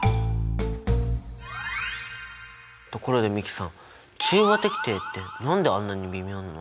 ところで美樹さん中和滴定って何であんなに微妙なの？